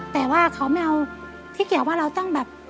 แต่ว่าเขาไม่เอาที่เกี่ยวว่าเราต้องแบบ